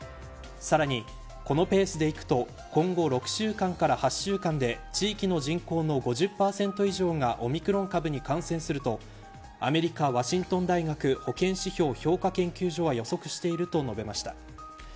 さらに、このペースでいくと今後６週間から８週間で地域の人口の５０％以上がオミクロン株に感染するとアメリカ、ワシントン大学保健指標評価研究所は予測していると述べました。